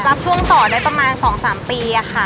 รับช่วงต่อได้ประมาณ๒๓ปีค่ะ